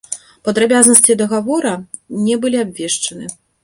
Падрабязнасці дагаворы не былі абвешчаны.